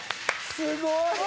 すごい！